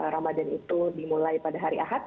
ramadan itu dimulai pada hari ahad